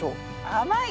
甘い！